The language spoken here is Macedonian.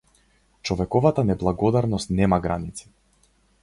Човековата неблагодарност нема граници.